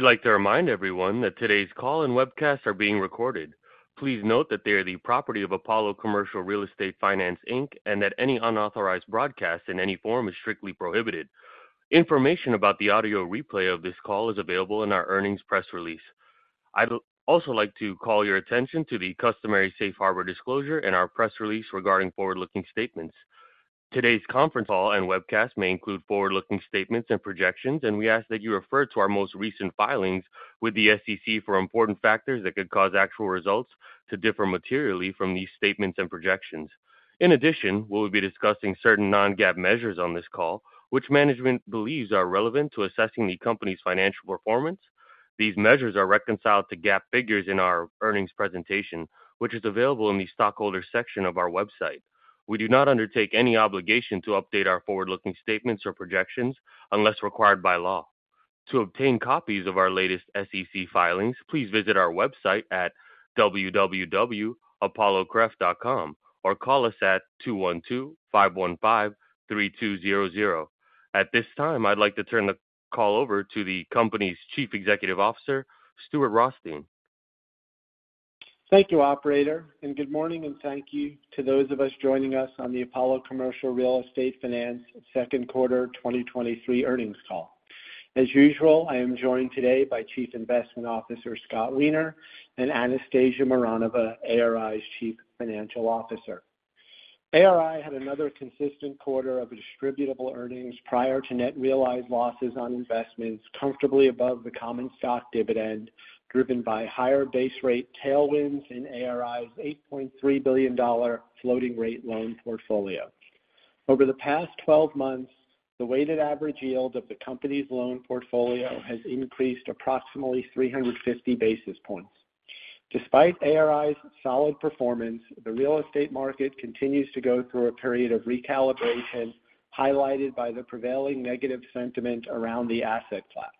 I'd like to remind everyone that today's call and webcast are being recorded. Please note that they are the property of Apollo Commercial Real Estate Finance, Inc., and that any unauthorized broadcast in any form is strictly prohibited. Information about the audio replay of this call is available in our earnings press release. I'd also like to call your attention to the customary safe harbor disclosure in our press release regarding forward-looking statements. Today's conference call and webcast may include forward-looking statements and projections. We ask that you refer to our most recent filings with the SEC for important factors that could cause actual results to differ materially from these statements and projections. In addition, we will be discussing certain non-GAAP measures on this call, which management believes are relevant to assessing the company's financial performance. These measures are reconciled to GAAP figures in our earnings presentation, which is available in the shareholder section of our website. We do not undertake any obligation to update our forward-looking statements or projections unless required by law. To obtain copies of our latest SEC filings, please visit our website at www.apollocref.com or call us at 212-515-3200. At this time, I'd like to turn the call over to the company's Chief Executive Officer, Stuart Rothstein. Thank you, operator. Good morning and thank you to those of us joining us on the Apollo Commercial Real Estate Finance 2Q 2023 Earnings Call. As usual, I am joined today by Chief Investment Officer, Scott Wiener, and Anastasia Mironova, ARI's Chief Financial Officer. ARI had another consistent quarter of distributable earnings prior to net realized losses on investments comfortably above the common stock dividend, driven by higher base rate tailwinds in ARI's $8.3 billion floating rate loan portfolio. Over the past 12 months, the weighted average yield of the company's loan portfolio has increased approximately 350 basis points. Despite ARI's solid performance, the real estate market continues to go through a period of recalibration, highlighted by the prevailing negative sentiment around the asset class.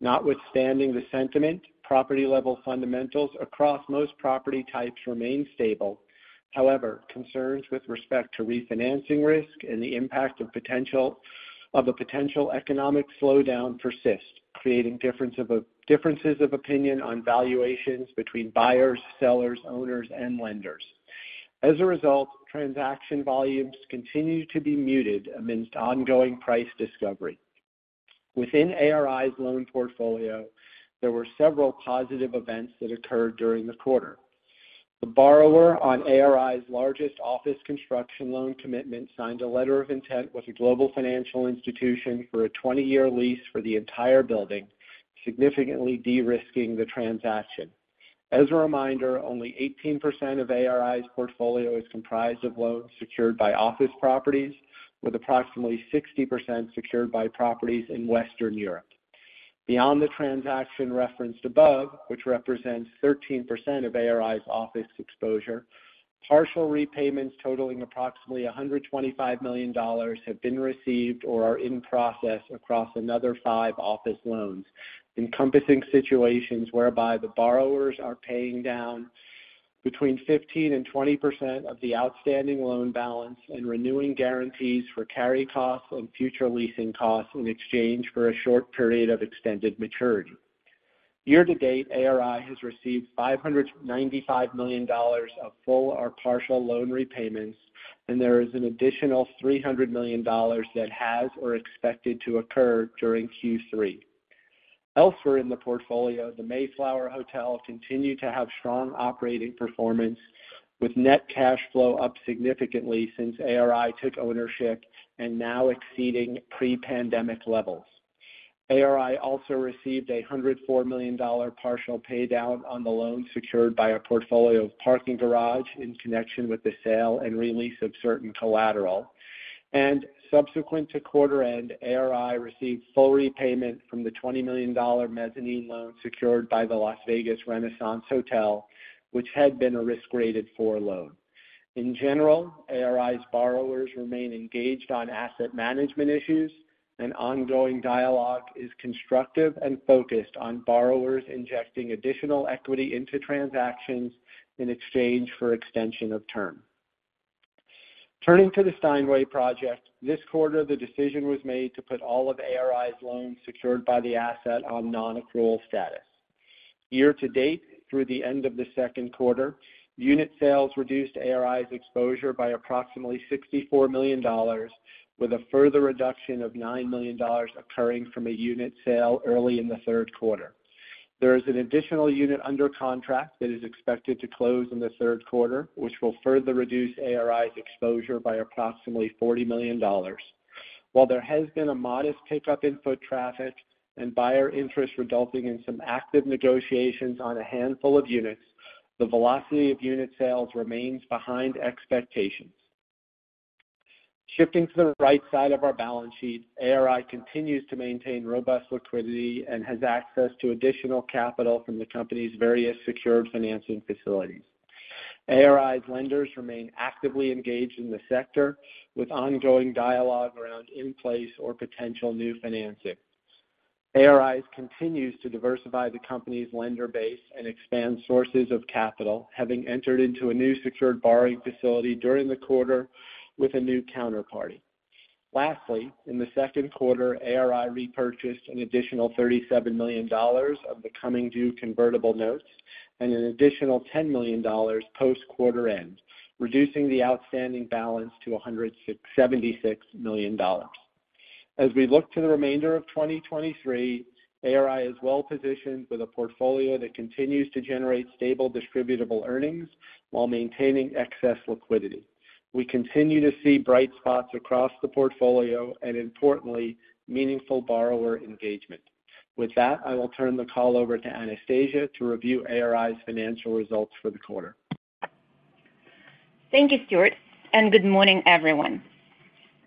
Notwithstanding the sentiment, property-level fundamentals across most property types remain stable. However, concerns with respect to refinancing risk and the impact of a potential economic slowdown persist, creating differences of opinion on valuations between buyers, sellers, owners, and lenders. As a result, transaction volumes continue to be muted amidst ongoing price discovery. Within ARI's loan portfolio, there were several positive events that occurred during the quarter. The borrower on ARI's largest office construction loan commitment signed a letter of intent with a global financial institution for a 20-year lease for the entire building, significantly de-risking the transaction. As a reminder, only 18% of ARI's portfolio is comprised of loans secured by office properties, with approximately 60% secured by properties in Western Europe. Beyond the transaction referenced above, which represents 13% of ARI's office exposure, partial repayments totaling approximately $125 million have been received or are in process across another five office loans, encompassing situations whereby the borrowers are paying down between 15% and 20% of the outstanding loan balance and renewing guarantees for carry costs and future leasing costs in exchange for a short period of extended maturity. Year to date, ARI has received $595 million of full or partial loan repayments, and there is an additional $300 million that has or expected to occur during Q3. Elsewhere in the portfolio, the Mayflower Hotel continued to have strong operating performance, with net cash flow up significantly since ARI took ownership and now exceeding pre-pandemic levels. ARI also received a $104 million partial paydown on the loan secured by a portfolio of parking garage in connection with the sale and re-lease of certain collateral. And subsequent to quarter end, ARI received full repayment from the $20 million mezzanine loan secured by the Las Vegas Renaissance Hotel, which had been a risk-graded 4 loan. In general, ARI's borrowers remain engaged on asset management issues, and ongoing dialogue is constructive and focused on borrowers injecting additional equity into transactions in exchange for extension of term. Turning to the Steinway project, this quarter, the decision was made to put all of ARI's loans secured by the asset on non-accrual status. Year to date, through the end of the Q2, unit sales reduced ARI's exposure by approximately $64 million, with a further reduction of $9 million occurring from a unit sale early in the Q3. There is an additional unit under contract that is expected to close in the Q3, which will further reduce ARI's exposure by approximately $40 million. While there has been a modest pick-up in foot traffic and buyer interest resulting in some active negotiations on a handful of units, the velocity of unit sales remains behind expectations. Shifting to the right side of our balance sheet, ARI continues to maintain robust liquidity and has access to additional capital from the company's various secured financing facilities. ARI's lenders remain actively engaged in the sector, with ongoing dialogue around in-place or potential new financing. ARI continues to diversify the company's lender base and expand sources of capital, having entered into a new secured borrowing facility during the quarter with a new counterparty. Lastly, in the Q2, ARI repurchased an additional $37 million of the coming due convertible notes and an additional $10 million post-quarter end, reducing the outstanding balance to $106.76 million. As we look to the remainder of 2023, ARI is well positioned with a portfolio that continues to generate stable distributable earnings while maintaining excess liquidity. We continue to see bright spots across the portfolio and importantly, meaningful borrower engagement. With that, I will turn the call over to Anastasia to review ARI's financial results for the quarter. Thank you, Stuart, good morning, everyone.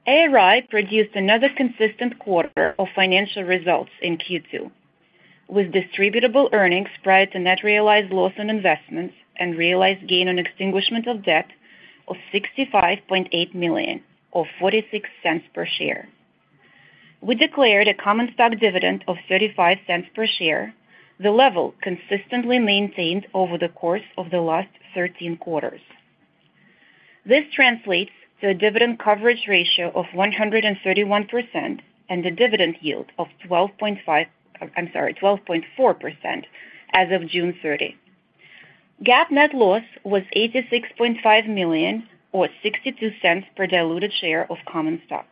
ARI produced another consistent quarter of financial results in Q2, with distributable earnings prior to net realized loss on investments and realized gain on extinguishment of debt of $65.8 million or $0.46 per share. We declared a common stock dividend of $0.35 per share, the level consistently maintained over the course of the last 13 quarters. This translates to a dividend coverage ratio of 131% and a dividend yield of 12.5%- I'm sorry, 12.4% as of June 30. GAAP net loss was $86.5 million or $0.62 per diluted share of common stock.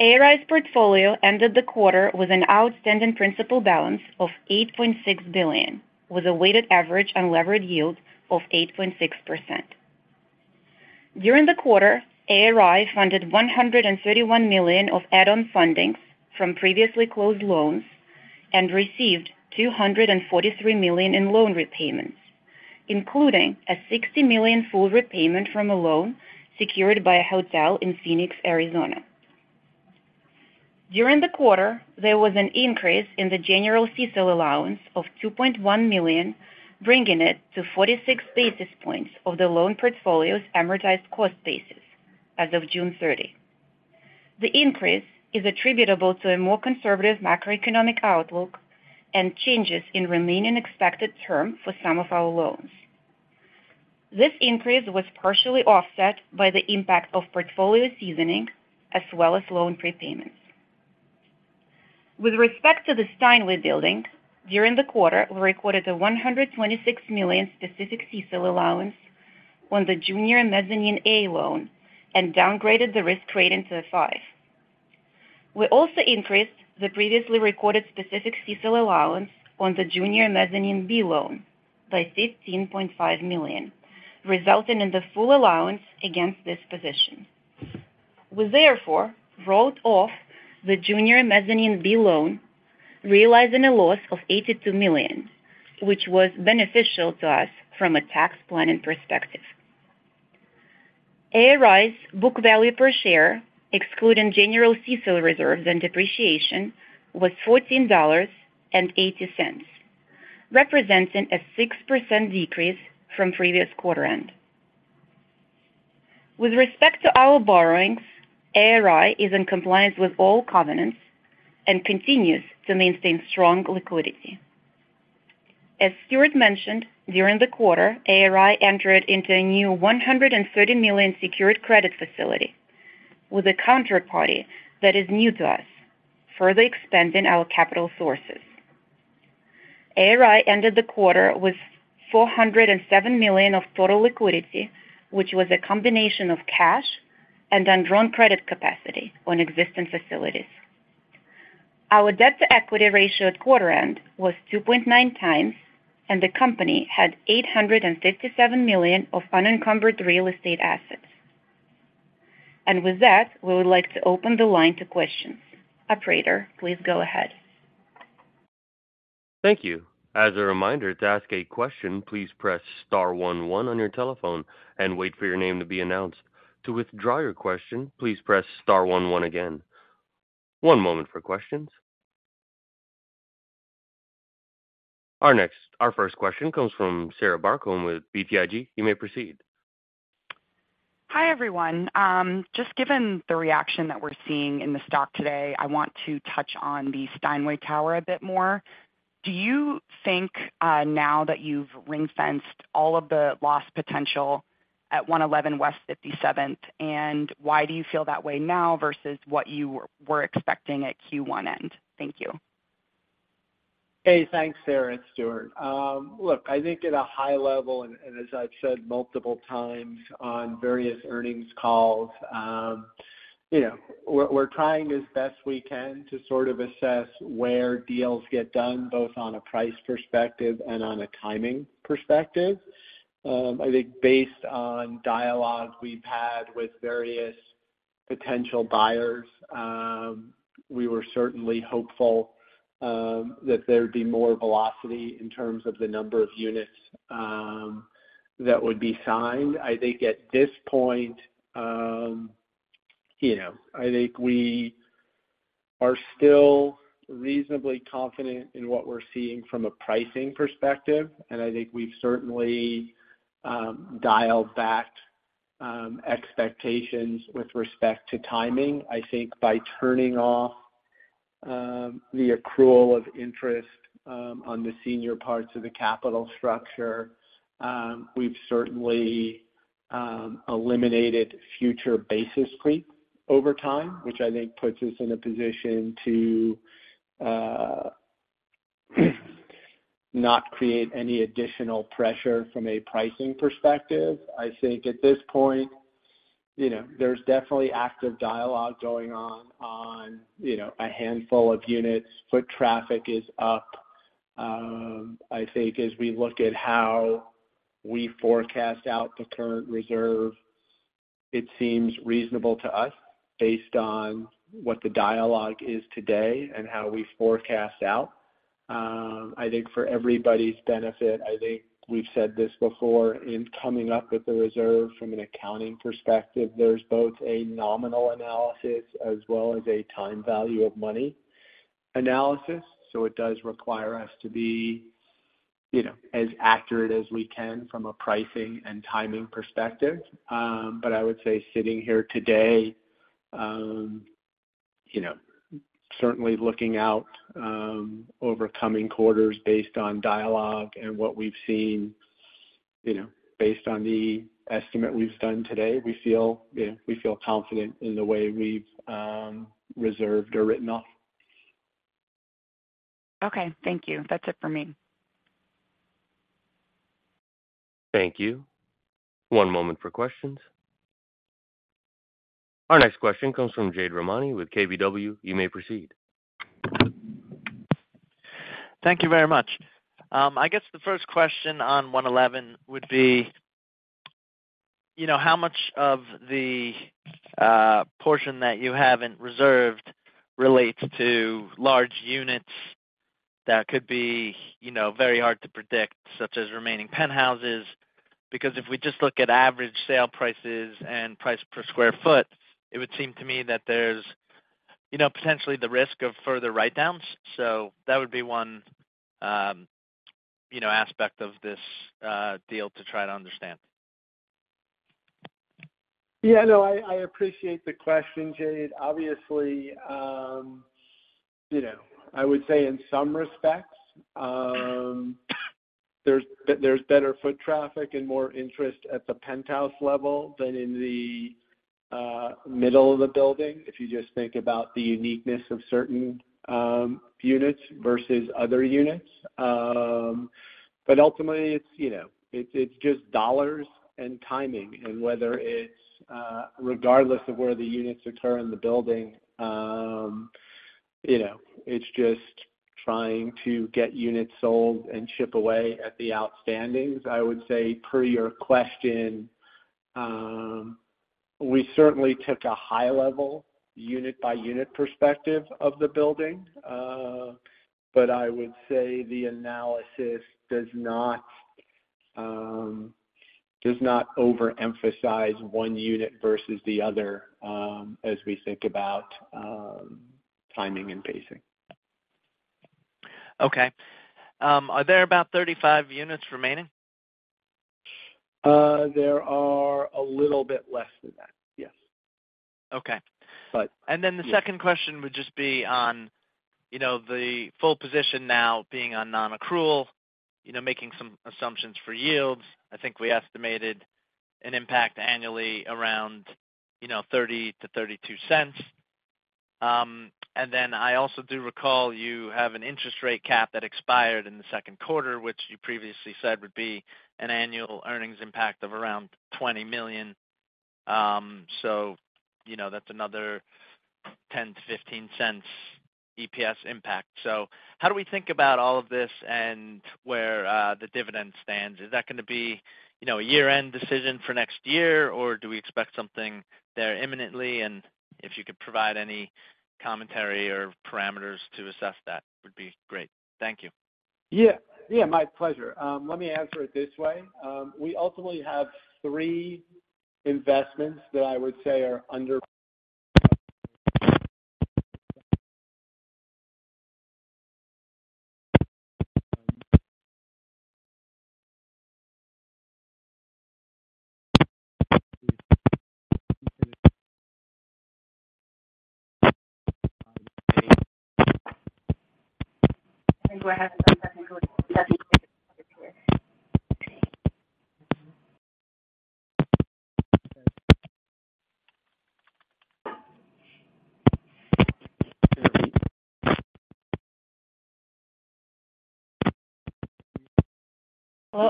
ARI's portfolio ended the quarter with an outstanding principal balance of $8.6 billion, with a weighted average unlevered yield of 8.6%. During the quarter, ARI funded $131 million of add-on fundings from previously closed loans and received $243 million in loan repayments, including a $60 million full repayment from a loan secured by a hotel in Phoenix, Arizona. During the quarter, there was an increase in the general CECL allowance of $2.1 million, bringing it to 46 basis points of the loan portfolio's amortized cost basis as of June 30. The increase is attributable to a more conservative macroeconomic outlook and changes in remaining expected term for some of our loans. This increase was partially offset by the impact of portfolio seasoning as well as loan prepayments. With respect to the Steinway building, during the quarter, we recorded a $126 million specific CECL Allowance on the junior mezzanine A loan and downgraded the risk rating to a 5. We also increased the previously recorded specific CECL Allowance on the junior mezzanine B loan by $15.5 million, resulting in the full allowance against this position. We therefore, wrote off the junior mezzanine B loan, realizing a loss of $82 million, which was beneficial to us from a tax planning perspective. ARI's book value per share, excluding general CECL reserves and depreciation, was $14.80, representing a 6% decrease from previous quarter end. With respect to our borrowings, ARI is in compliance with all covenants and continues to maintain strong liquidity. As Stuart mentioned, during the quarter, ARI entered into a new $130 million secured credit facility with a counterparty that is new to us, further expanding our capital sources. ARI ended the quarter with $407 million of total liquidity, which was a combination of cash and undrawn credit capacity on existing facilities. Our debt-to-equity ratio at quarter end was 2.9 times, and the company had $857 million of unencumbered real estate assets. And with that, we would like to open the line to questions. Operator, please go ahead. Thank you. As a reminder, to ask a question, please press star one, one on your telephone and wait for your name to be announced. To withdraw your question, please press star one, one again. One moment for questions. Our 1st question comes from Sarah Barcomb with BTIG. You may proceed. Hi, everyone. Just given the reaction that we're seeing in the stock today, I want to touch on the Steinway Tower a bit more. Do you think, now that you've ring-fenced all of the loss potential at 111 West 57th, and why do you feel that way now versus what you were, were expecting at Q1 end? Thank you. Hey, thanks, Sarah, it's Stuart. Look, I think at a high level, and, and as I've said multiple times on various earnings calls, you know, we're, we're trying as best we can to sort of assess where deals get done, both on a price perspective and on a timing perspective. I think based on dialogue we've had with various potential buyers, we were certainly hopeful, that there'd be more velocity in terms of the number of units, that would be signed. I think at this point, you know, I think we are still reasonably confident in what we're seeing from a pricing perspective, and I think we've certainly, dialed back, expectations with respect to timing. I think by turning off the accrual of interest, on the senior parts of the capital structure. We've certainly eliminated future basis creep over time, which I think puts us in a position to not create any additional pressure from a pricing perspective. I think at this point, you know, there's definitely active dialogue going on, on, you know, a handful of units. Foot traffic is up. I think as we look at how we forecast out the current reserve, it seems reasonable to us based on what the dialogue is today and how we forecast out. I think for everybody's benefit, I think we've said this before, in coming up with the reserve from an accounting perspective, there's both a nominal analysis as well as a time value of money analysis, so it does require us to be, you know, as accurate as we can from a pricing and timing perspective. I would say sitting here today, you know, certainly looking out over coming quarters based on dialogue and what we've seen, you know, based on the estimate we've done today, we feel, you know, we feel confident in the way we've reserved or written off. Okay, thank you. That's it for me. Thank you. One moment for questions. Our next question comes from Jade Rahmani with KBW. You may proceed. Thank you very much. I guess the 1st question on 111 would be, you know, how much of the portion that you haven't reserved relates to large units that could be, you know, very hard to predict, such as remaining penthouses? Because if we just look at average sale prices and price per square foot, it would seem to me that there's, you know, potentially the risk of further write-downs. That would be one, you know, aspect of this deal to try to understand. Yeah, no, I, I appreciate the question, Jade. Obviously, you know, I would say in some respects, there's, there's better foot traffic and more interest at the penthouse level than in the middle of the building, if you just think about the uniqueness of certain units versus other units. Ultimately, it's, you know, it's, it's just dollars and timing, and whether it's, regardless of where the units occur in the building, you know, it's just trying to get units sold and chip away at the outstandings. I would say per your question, we certainly took a high-level, unit-by-unit perspective of the building. But I would say the analysis does not, does not overemphasize one unit versus the other, as we think about timing and pacing. Okay. Are there about 35 units remaining? There are a little bit less than that, yes. Okay. But- The 2nd question would just be on, you know, the full position now being on non-accrual, you know, making some assumptions for yields. I think we estimated an impact annually around, you know, $0.30-$0.32. I also do recall you have an interest rate cap that expired in the Q2, which you previously said would be an annual earnings impact of around $20 million. You know, that's another $0.10-$0.15 EPS impact. How do we think about all of this and where the dividend stands? Is that gonna be, you know, a year-end decision for next year, or do we expect something there imminently? If you could provide any commentary or parameters to assess that, would be great. Thank you. Yeah. Yeah, my pleasure. Let me answer it this way. We ultimately have 3 investments that I would say are under- Hello,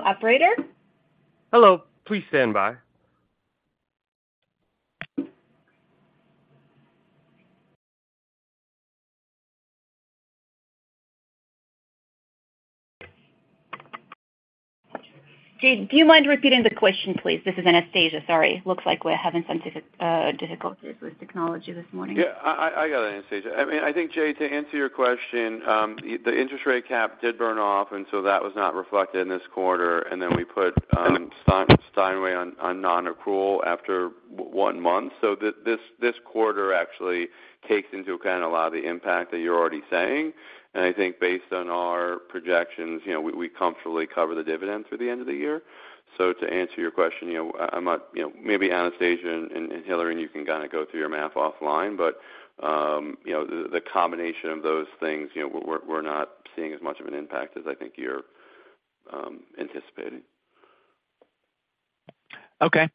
operator? Hello. Please stand by. Jade, do you mind repeating the question, please? This is Anastasia. Sorry. Looks like we're having some difficulties with technology this morning. Yeah, I, I, I got it, Anastasia. I mean, I think, Jade, to answer your question, the interest rate cap did burn off, and so that was not reflected in this quarter. Then we put Steinway on non-accrual after one month. This, this quarter actually takes into account a lot of the impact that you're already saying. I think based on our projections, you know, we comfortably cover the dividend through the end of the year. To answer your question, you know, I'm not. You know, maybe Anastasia and Hillary, and you can kind of go through your math offline. You know, the combination of those things, you know, we're not seeing as much of an impact as I think you're anticipating. Okay.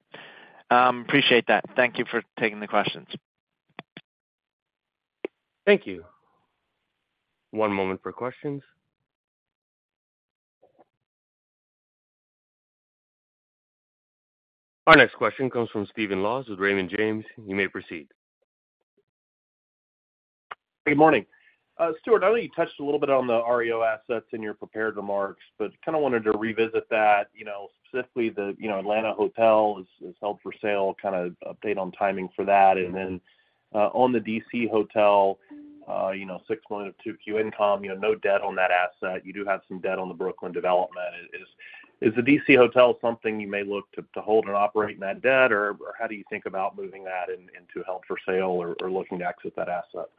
appreciate that. Thank you for taking the questions. Thank you. One moment for questions. Our next question comes from Stephen Laws with Raymond James. You may proceed Good morning. Stuart, I know you touched a little bit on the REO assets in your prepared remarks, kind of wanted to revisit that, specifically the Atlanta Hotel is held for sale, kind of update on timing for that? On the D.C. hotel, 6.2 Q income, no debt on that asset. You do have some debt on the Brooklyn development. Is the D.C. hotel something you may look to hold and operate in that debt, or how do you think about moving that into a held for sale or looking to exit that asset?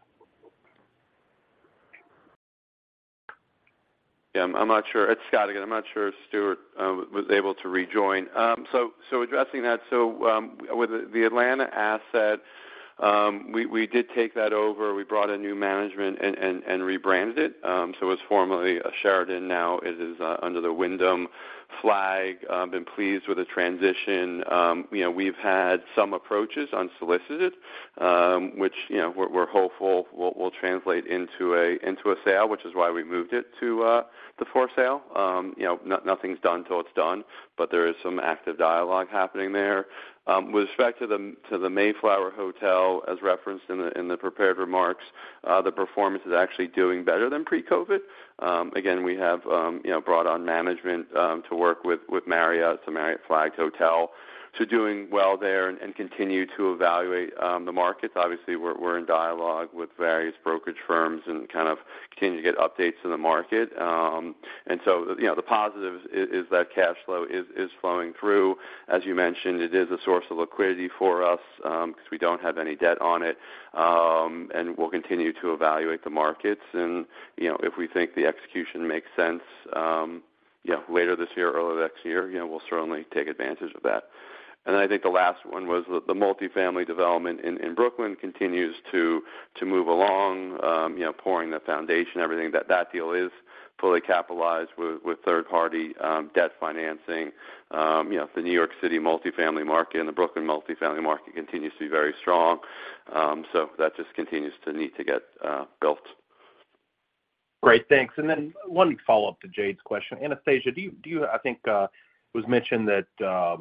Yeah, I'm not sure. It's Scott again. I'm not sure if Stuart was able to rejoin. Addressing that, with the Atlanta asset, we did take that over. We brought in new management and rebranded it. It was formerly a Sheraton, now it is under the Wyndham flag. Been pleased with the transition. You know, we've had some approaches unsolicited, which, you know, we're hopeful will translate into a sale, which is why we moved it to the for sale. You know, nothing's done till it's done, but there is some active dialogue happening there. With respect to the Mayflower Hotel, as referenced in the prepared remarks, the performance is actually doing better than pre-COVID. Again, we have, you know, brought on management to work with Marriott. It's a Marriott-flagged hotel, so doing well there and continue to evaluate the markets. Obviously, we're in dialogue with various brokerage firms and kind of continue to get updates in the market. You know, the positive is that cash flow is flowing through. As you mentioned, it is a source of liquidity for us because we don't have any debt on it. We'll continue to evaluate the markets and, you know, if we think the execution makes sense, yeah, later this year, early next year, you know, we'll certainly take advantage of that. I think the last one was the multifamily development in Brooklyn continues to move along, you know, pouring the foundation, everything. That, that deal is fully capitalized with, with 3rd-party, debt financing. You know, the New York City multifamily market and the Brooklyn multifamily market continues to be very strong. That just continues to need to get built. Great, thanks. Then one follow-up to Jade's question. Anastasia, do you, I think it was mentioned that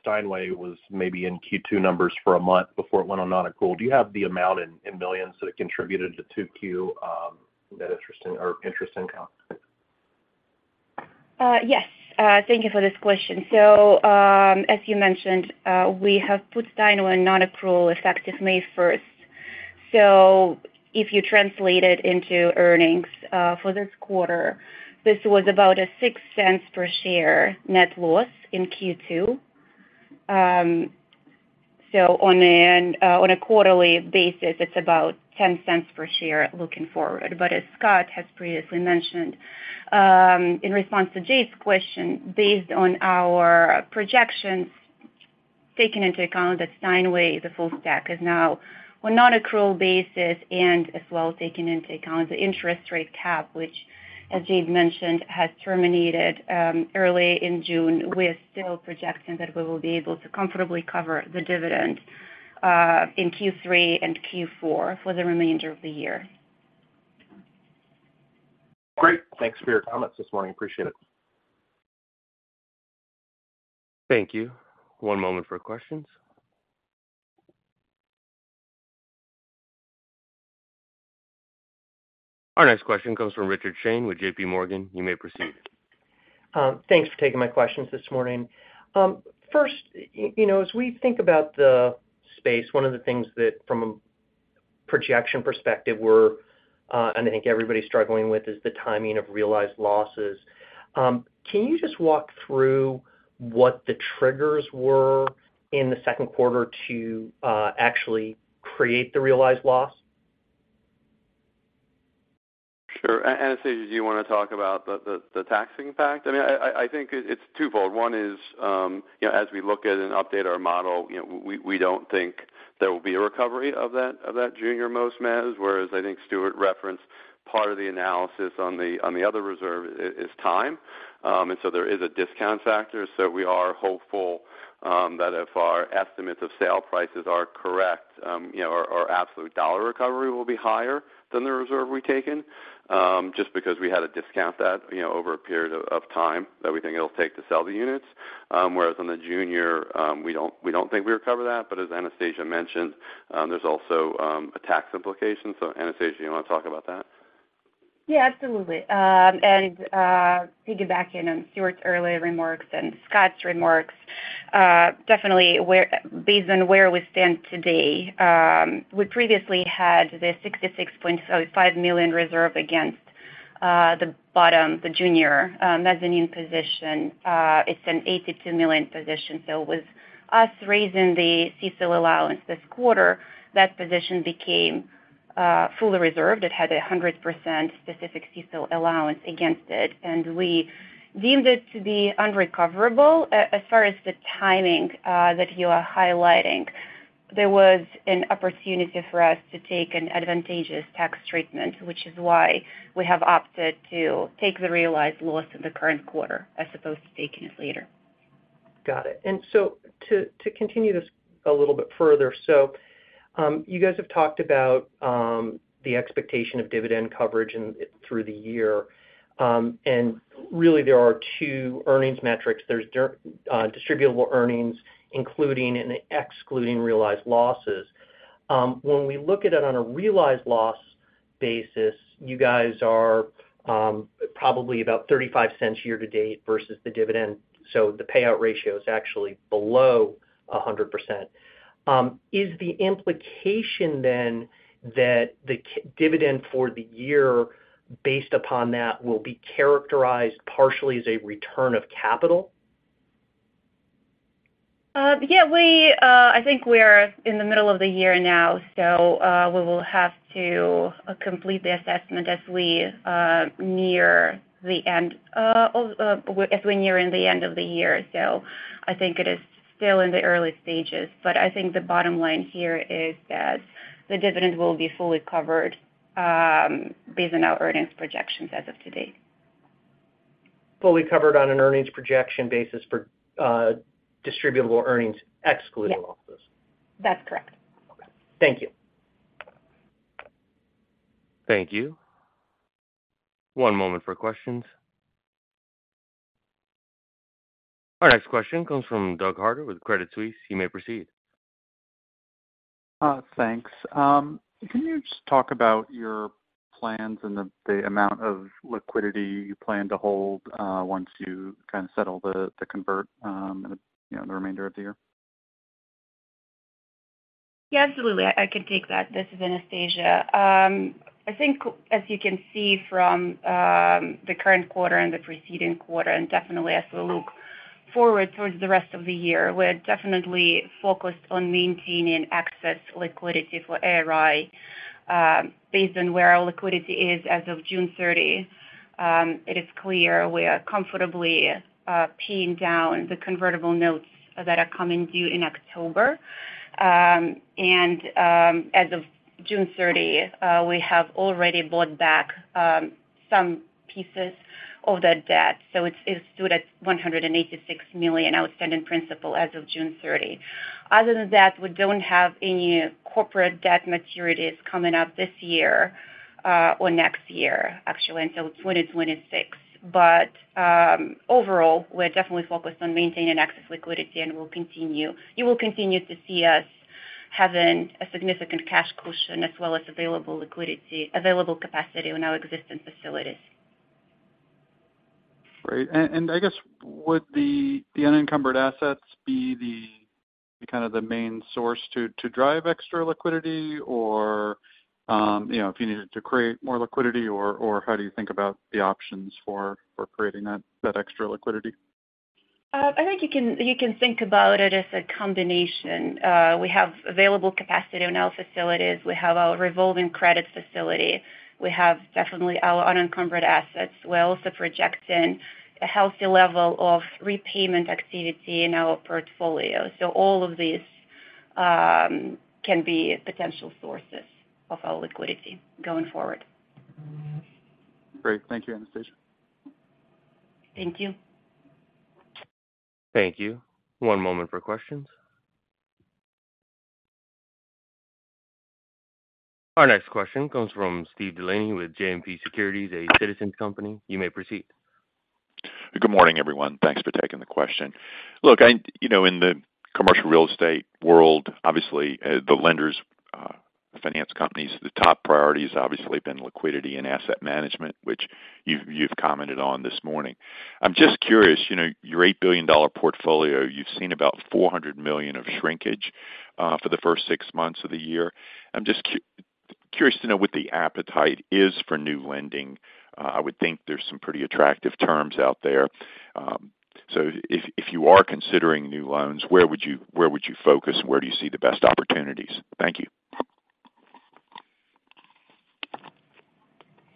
Steinway was maybe in Q2 numbers for a month before it went on non-accrual. Do you have the amount in $ millions that it contributed to 2Q interest income? Yes, thank you for this question. As you mentioned, we have put Steinway on nonaccrual effective May 1st. If you translate it into earnings, for this quarter, this was about a $0.06 per share net loss in Q2. On a quarterly basis, it's about $0.10 per share looking forward. As Scott has previously mentioned, in response to Jade's question, based on our projections, taking into account that Steinway, the full stack, is now on nonaccrual basis and as well taking into account the interest rate cap, which, as Jade mentioned, had terminated early in June, we are still projecting that we will be able to comfortably cover the dividend in Q3 and Q4 for the remainder of the year. Great. Thanks for your comments this morning. Appreciate it. Thank you. One moment for questions. Our next question comes from Richard Shane with JPMorgan. You may proceed. Thanks for taking my questions this morning. 1st, you know, as we think about the space, one of the things that from a projection perspective we're, and I think everybody's struggling with, is the timing of realized losses. Can you just walk through what the triggers were in the Q2 to actually create the realized loss? Sure. Anastasia, do you want to talk about the taxing impact? I mean, I think it's twofold. One is, you know, as we look at and update our model, you know, we don't think there will be a recovery of that, of that junior most mezz, whereas I think Stuart referenced part of the analysis on the other reserve is time. And so there is a discount factor, so we are hopeful that if our estimates of sale prices are correct, you know, our absolute dollar recovery will be higher than the reserve we've taken, just because we had to discount that, you know, over a period of time that we think it'll take to sell the units. Whereas on the junior, we don't, we don't think we recover that, but as Anastasia mentioned, there's also, a tax implication. Anastasia, you want to talk about that? Yeah, absolutely. And piggyback in on Stuart's earlier remarks and Scott's remarks, definitely based on where we stand today, we previously had the $66.05 million reserve against the bottom, the junior mezzanine position. It's an $82 million position. So it with us raising the CECL Allowance this quarter, that position became fully reserved. It had a 100% specific CECL Allowance against it, and we deemed it to be unrecoverable. As far as the timing that you are highlighting, there was an opportunity for us to take an advantageous tax treatment, which is why we have opted to take the realized loss in the current quarter, as opposed to taking it later. Got it. To continue this a little bit further, you guys have talked about the expectation of dividend coverage through the year. Really, there are two earnings metrics. There's distributable earnings, including and excluding realized losses. When we look at it on a realized loss basis, you guys are probably about $0.35 year to date versus the dividend, so the payout ratio is actually below 100%. Is the implication then that the dividend for the year, based upon that, will be characterized partially as a return of capital? Yeah, we, I think we're in the middle of the year now, so we will have to complete the assessment as we near the end of as we near in the end of the year. I think it is still in the early stages, but I think the bottom line here is that the dividend will be fully covered, based on our earnings projections as of today. Fully covered on an earnings projection basis for distributable earnings, excluding losses? Yes. That's correct. Okay. Thank you. Thank you. One moment for questions. Our next question comes from Douglas Harter with Credit Suisse. You may proceed. Thanks. Can you just talk about your plans and the, the amount of liquidity you plan to hold, once you kind of settle the, the convert, in the, you know, the remainder of the year? Yeah, absolutely. I, I can take that. This is Anastasia. I think as you can see from the current quarter and the preceding quarter, and definitely as we look forward towards the rest of the year, we're definitely focused on maintaining excess liquidity for ARI. Based on where our liquidity is as of June 30, it is clear we are comfortably paying down the convertible notes that are coming due in October. And as of June 30, we have already bought back some pieces of that debt, so it's, it's stood at $186 million outstanding principal as of June 30. Other than that, we don't have any corporate debt maturities coming up this year, or next year, actually, until 2026. But overall, we're definitely focused on maintaining excess liquidity, and we'll continue... You will continue to see us having a significant cash cushion as well as available liquidity- available capacity on our existing facilities. Great. And I guess would the, the unencumbered assets be the, kind of the main source to, to drive extra liquidity? Or, you know, if you needed to create more liquidity, or, or how do you think about the options for, for creating that, that extra liquidity? I think you can, you can think about it as a combination. We have available capacity in our facilities. We have our revolving credit facility. We have definitely our unencumbered assets. We're also projecting a healthy level of repayment activity in our portfolio. All of these can be potential sources of our liquidity going forward. Great. Thank you, Anastasia. Thank you. Thank you. One moment for questions. Our next question comes from Steve DeLaney with JMP Securities, a Citizens Company. You may proceed. Good morning, everyone. Thanks for taking the question. Look, I, You know, in the commercial real estate world, obviously, the lenders, finance companies, the top priority has obviously been liquidity and asset management, which you've, you've commented on this morning. I'm just curious, you know, your $8 billion portfolio, you've seen about $400 million of shrinkage, for the 1st 6 months of the year. I'm just curious to know what the appetite is for new lending. I would think there's some pretty attractive terms out there. If, if you are considering new loans, where would you, where would you focus, and where do you see the best opportunities? Thank you.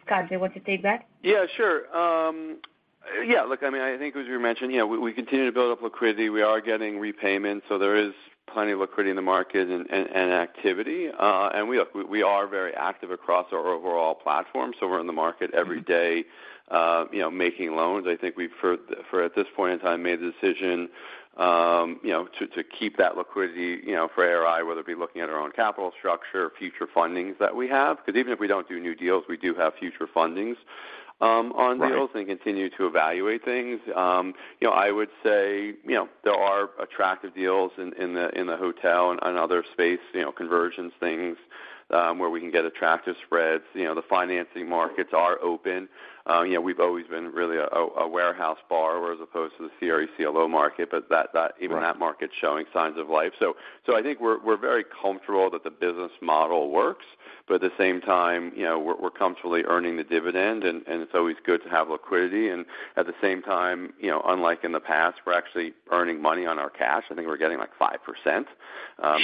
Scott, do you want to take that? Yeah, sure. Yeah, look, I mean, I think as we mentioned, you know, we, we continue to build up liquidity. We are getting repayments, so there is plenty of liquidity in the market and activity. We, we are very active across our overall platform, so we're in the market every day, you know, making loans. I think we've, for at this point in time, made the decision, you know, to, to keep that liquidity, you know, for ARI, whether it be looking at our own capital structure or future fundings that we have. Even if we don't do new deals, we do have future fundings, on deals- Right. and continue to evaluate things. You know, I would say, you know, there are attractive deals in, in the, in the hotel and, and other space, you know, conversions things, where we can get attractive spreads. You know, the financing markets are open. You know, we've always been really a, a, a warehouse borrower as opposed to the CRE CLO market, but that. Right. even that market is showing signs of life. So I think we're, we're very comfortable that the business model works. But at the same time, you know, we're, we're comfortably earning the dividend. It's always good to have liquidity. At the same time, you know, unlike in the past, we're actually earning money on our cash. I think we're getting, like, 5%. Sure.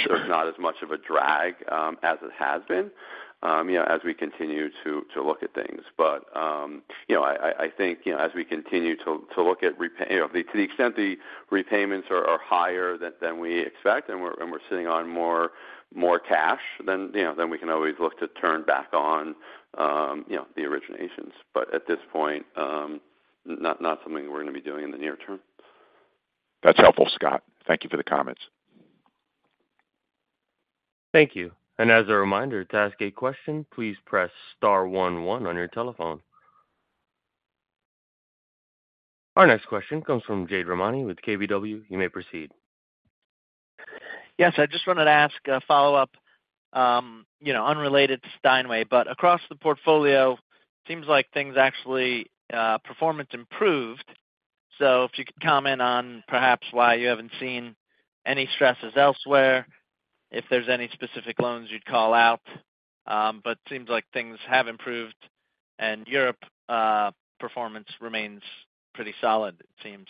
There's not as much of a drag as it has been, you know, as we continue to look at things. But you know, I, I, I think, you know, as we continue to look at, you know, to the extent the repayments are higher than we expect, and we're sitting on more cash, then, you know, then we can always look to turn back on, you know, the originations. At this point, not something we're going to be doing in the near term. That's helpful, Scott. Thank you for the comments. Thank you. As a reminder, to ask a question, please press star one one on your telephone. Our next question comes from Jade Rahmani with KBW. You may proceed. Yes, I just wanted to ask a follow-up, you know, unrelated to Steinway, but across the portfolio, seems like things actually, performance improved. So if you could comment on perhaps why you haven't seen any stresses elsewhere, if there's any specific loans you'd call out. Seems like things have improved, and Europe performance remains pretty solid, it seems.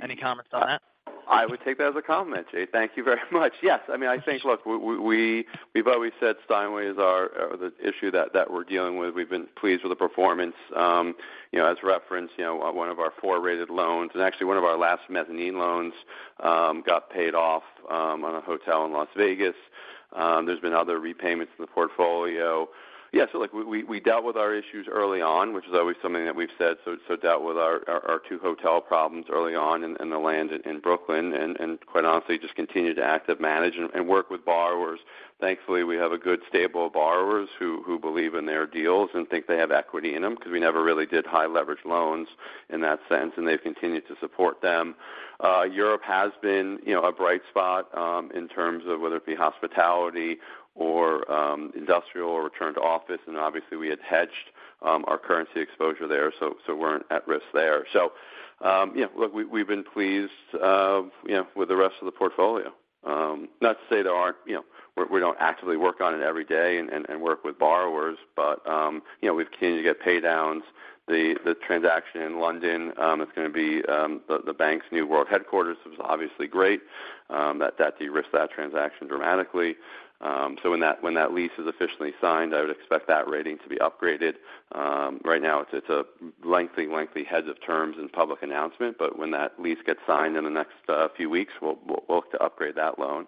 Any comments on that? I would take that as a comment, Jade. Thank you very much. Yes, I mean, I think, look, we, we, we've always said Steinway is our, the issue that, that we're dealing with. We've been pleased with the performance. You know, as referenced, you know, one of our four rated loans and actually one of our last mezzanine loans, got paid off, on a hotel in Las Vegas. There's been other repayments in the portfolio. Yeah, look, we, we dealt with our issues early on, which is always something that we've said. Dealt with our, our, two hotel problems early on in, in the land in Brooklyn, and, and quite honestly, just continued to active manage and, and work with borrowers. Thankfully, we have a good stable of borrowers who, who believe in their deals and think they have equity in them, because we never really did high leverage loans in that sense, and they've continued to support them. Europe has been, you know, a bright spot, in terms of whether it be hospitality or industrial or return to office. Obviously, we had hedged our currency exposure there, so, so we're at risk there. Yeah, look, we've, we've been pleased, you know, with the rest of the portfolio. Not to say there aren't. You know, we, we don't actively work on it every day and, and work with borrowers, but, you know, we've continued to get pay downs. The, the transaction in London, is going to be, the, the bank's new world headquarters, which is obviously great. That, that de-risks that transaction dramatically. When that, when that lease is officially signed, I would expect that rating to be upgraded. Right now, it's a lengthy, lengthy heads of terms and public announcement, but when that lease gets signed in the next few weeks, we'll, we'll look to upgrade that loan.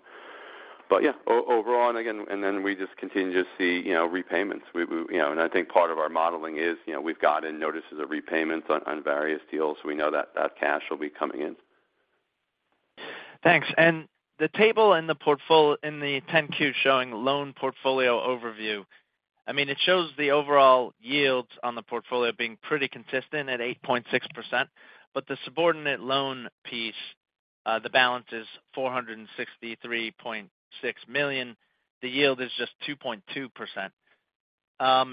Yeah, overall, again, we just continue to see, you know, repayments. We, we, you know, I think part of our modeling is, you know, we've gotten notices of repayments on, on various deals. We know that that cash will be coming in. Thanks. The table in the portfolio in the 10-Q showing loan portfolio overview, I mean, it shows the overall yields on the portfolio being pretty consistent at 8.6%, but the subordinate loan piece, the balance is $463.6 million. The yield is just 2.2%.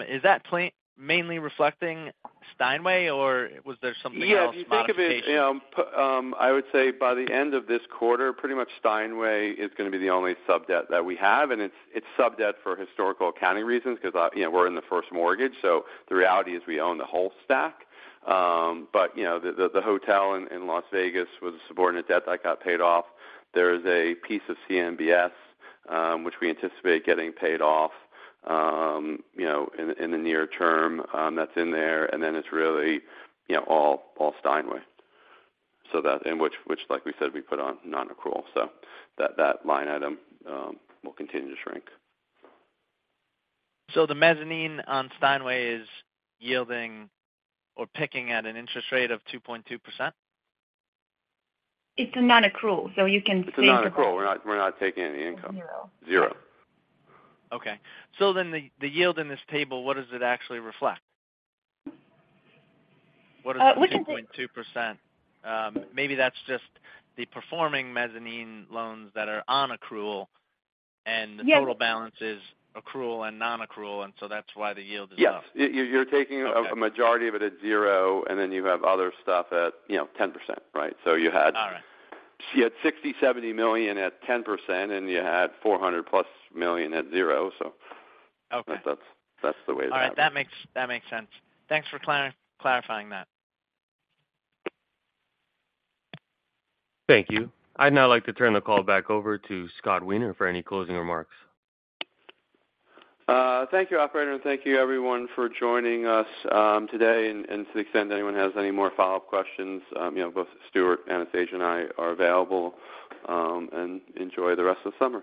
Is that mainly reflecting Steinway, or was there something else, modification? Yeah, if you think of it, I would say by the end of this quarter, pretty much Steinway is going to be the only sub-debt that we have, and it's, it's sub-debt for historical accounting reasons, because, you know, we're in the 1st mortgage. The reality is we own the whole stack. But you know, the, the hotel in, in Las Vegas was a subordinate debt that got paid off. There is a piece of CMBS, which we anticipate getting paid off, you know, in, in the near term, that's in there, and then it's really, you know, all, all Steinway. That, and which, which, like we said, we put on non-accrual. That, that line item will continue to shrink. The mezzanine on Steinway is yielding or picking at an interest rate of 2.2%? It's a non-accrual, you can say- It's a non-accrual. We're not, we're not taking any income. Zero. Zero. Okay. The, the yield in this table, what does it actually reflect? What is the 2.2%? Maybe that's just the performing mezzanine loans that are on accrual- The total balance is accrual and non-accrual, and so that's why the yield is off. Yes. You're taking-Okay. a majority of it at 0, and then you have other stuff at, you know, 10%, right? All right. You had $60 million, $70 million at 10%, and you had $400+ million at 0. Okay. That's, that's the way it happens. All right. That makes sense. Thanks for clarifying that. Thank you. I'd now like to turn the call back over to Scott Weiner for any closing remarks. Thank you, operator, and thank you, everyone, for joining us today. To the extent anyone has any more follow-up questions, you know, both Stuart, Anastasia, and I are available, and enjoy the rest of the summer.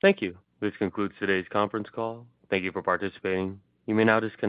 Thank you. Thank you. This concludes today's conference call. Thank you for participating. You may now disconnect.